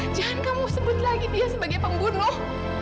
jangan kamu sebut lagi dia sebagai pembunuh